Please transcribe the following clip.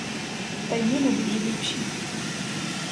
Та й ми не дуже ліпші.